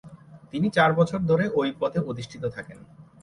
তিনি চার বছর ধরে ঐ পদে অধিষ্ঠিত থাকেন।